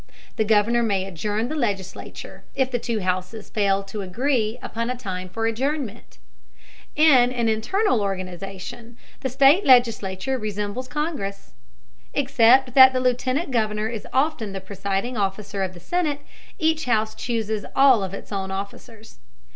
The Governor may adjourn the legislature, if the two houses fail to agree upon a time for adjournment. In internal organization, the state legislature resembles Congress. Except that the lieutenant governor is often the presiding officer of the senate, each house chooses all of its own officers.